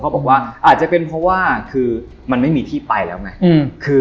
บอกว่าอาจจะเป็นเพราะว่าคือมันไม่มีที่ไปแล้วไง